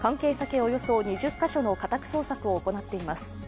およそ２０カ所の家宅捜索を行っています。